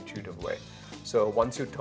dan kemudian mendapatkan lebih banyak data